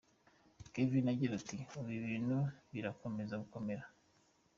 Kevin agira ati “Ubu ibintu birakomeza gukomera.